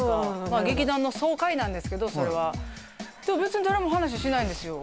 まあ劇団の総会なんですけどそれはでも別に誰も話しないんですよ